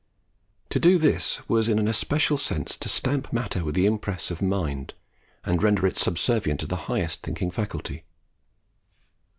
To do this was in an especial sense to stamp matter with the impress of mind, and render it subservient to the highest thinking faculty.